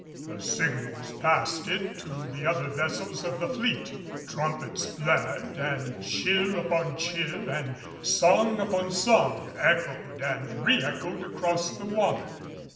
The signals passed it to the other vessels of the fleet, trumpets blared and cheer upon cheer and song upon song echoed and re echoed across the water.